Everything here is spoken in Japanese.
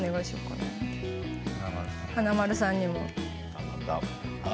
華丸さんに。